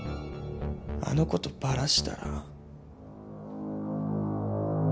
あのことバラしたら。